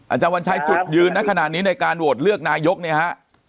อาจารย์วันชัยจุดยืนในขณะนี้ในการโหวตเลือกนายกเนี่ยฮะ